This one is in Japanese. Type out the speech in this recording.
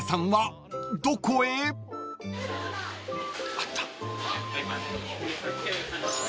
あった。